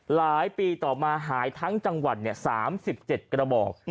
หลายปีต่อมาหายทั้งจังหวัด๓๗กระบอก